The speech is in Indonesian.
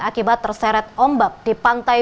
akibat terseret ombak di pantai